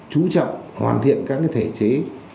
chú trọng hoàn thiện các thể chế